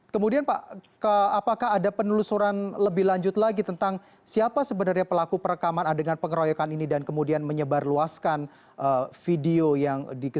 kemudian pak apakah ada penelusuran lebih lanjut lagi tentang siapa sebenarnya pelaku perekaman adegan pengeroyokan ini dan kemudian menyebarluaskan video yang